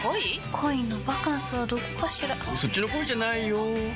恋のバカンスはどこかしらそっちの恋じゃないよ